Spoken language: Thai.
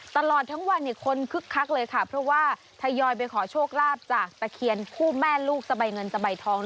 ตลอดทั้งวันคนคึกคักเลยค่ะเพราะว่าทยอยไปขอโชคลาภจากตะเคียนคู่แม่ลูกสบายเงินสบายทอง